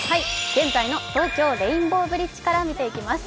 現在の東京・レインボーブリッジから見ていきます。